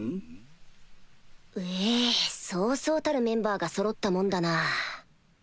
うぇそうそうたるメンバーがそろったもんだな